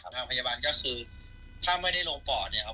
ทางพยาบาลก็คือถ้าไม่ได้ลงปอด